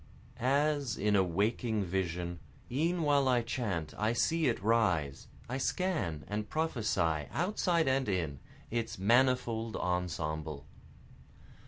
As in a waking vision, E'en while I chant I see it rise, I scan and prophesy outside and in, Its manifold ensemble.